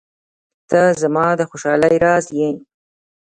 • ته زما د خوشحالۍ راز یې.